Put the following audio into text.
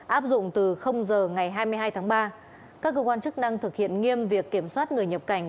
áp dụng từ giờ ngày hai mươi hai tháng ba các cơ quan chức năng thực hiện nghiêm việc kiểm soát người nhập cảnh